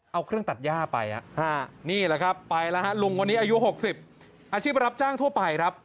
เอาเครื่องตัดย่าไปนี่แหละครับลุงวันนี้อายุ๖๐อาชีพรับจ้างทั่วไป